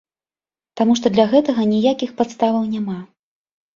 Таму што для гэтага ніякіх падставаў няма.